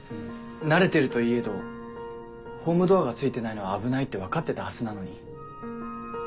慣れてるといえどホームドアがついてないのは危ないって分かってたはずなのに。